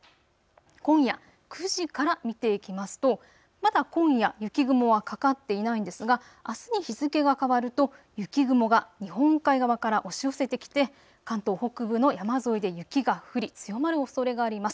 今夜９時から見ていきますとまだ今夜、雪雲はかかっていないんですが、あすに日付が変わると雪雲が日本海側から押し寄せてきて関東北部の山沿いで雪が降り強まるおそれがあります。